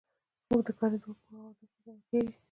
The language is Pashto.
زمونږ د کاریز اوبه په آوده کې جمع کیږي.